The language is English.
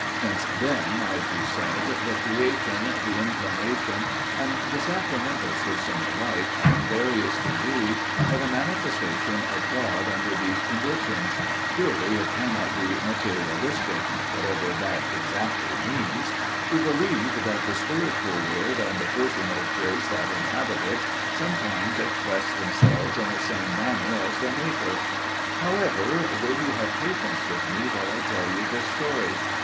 Since then, as you said, the Creation, the Incarnation, and the Sacramental System alike, in various degree, are the manifestation of God under these conditions, surely it cannot be 'materialistic' (whatever that exactly means), to believe that the 'spiritual' world and the personages that inhabit it sometimes express themselves in the same manner as their Maker. However, will you have patience with me while I tell you this story?